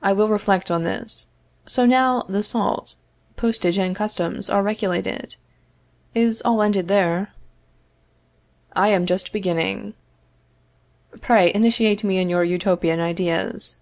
I will reflect on this. So now the salt, postage and customs are regulated. Is all ended there? I am just beginning. Pray, initiate me in your Utopian ideas.